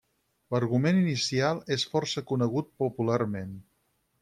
L'argument inicial és força conegut popularment.